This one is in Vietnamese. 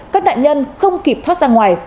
các nạn nhân không kịp thoát ra ngoài